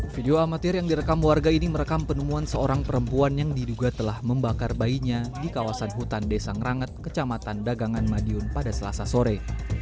video amatir yang direkam warga ini merekam penemuan seorang perempuan yang diduga telah membakar bayinya di kawasan hutan desa ngeranget kecamatan dagangan madiun pada selasa sore